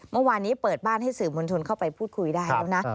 เมื่อวานนี้เปิดบ้านให้สื่อมวลชนเข้าไปพูดคุยได้แล้วนะ